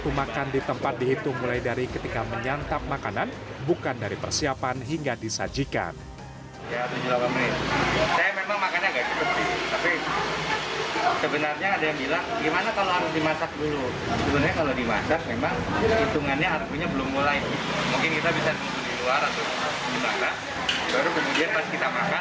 mungkin kita bisa di luar atau di mana baru kemudian pas kita makan hitungan itu masuk